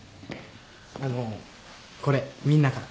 あのこれみんなから。